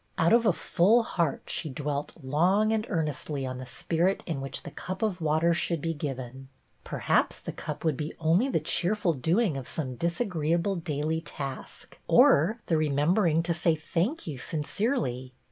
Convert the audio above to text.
Out of a full heart she dwelt long and earnestly on the spirit in which the cup of water should be given; perhaps the cup would be only the cheerful doing of some disagreeable daily task, or the 2o6 BETTY BAIRD remembering to say " Thank you " sincerely.